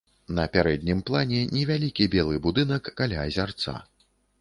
На пярэднім плане невялікі белы будынак каля азярца.